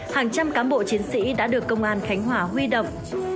hàng trăm cán bộ chiến sĩ đã được công an khánh hòa huy động